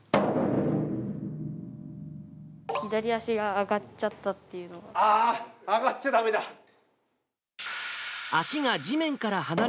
左足が上がっちゃったっていあー、上がっちゃだめだ。